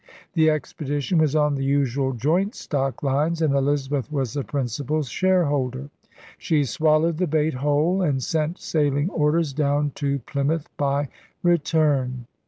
The ex pedition was on the usual joint stock lines and Elizabeth was the principal shareholder. She swallowed the bait whole; and sent sailing orders down to Plymouth by return.